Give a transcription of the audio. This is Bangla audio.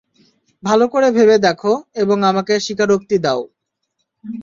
ভালোকরে ভেবে দেখ, এবং আমাকে স্বীকারোক্তি দাও।